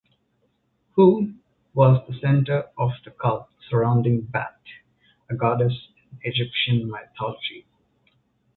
Hu was the centre of the cult surrounding Bat, a goddess in Egyptian mythology.